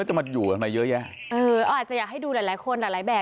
จะมาอยู่กันมาเยอะแยะเอออาจจะอยากให้ดูหลายหลายคนหลายหลายแบบ